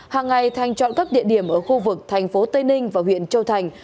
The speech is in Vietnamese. hàng ngày thành chọn các địa điểm ở khu vực thành phố tây ninh và huyện châu thành